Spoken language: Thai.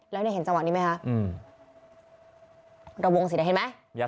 แล้วเนี่ยเห็นจังหวะนี้ไหมคะระวงสินะเห็นไหม